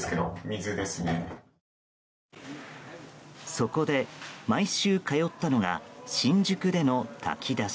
そこで、毎週通ったのが新宿での炊き出し。